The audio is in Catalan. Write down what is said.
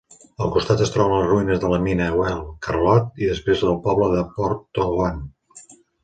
Al costat es troben les ruïnes de la mina Wheal Charlotte i després el poble de Porthtowan.